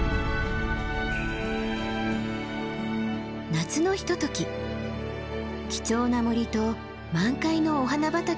夏のひととき貴重な森と満開のお花畑を楽しむ大山です。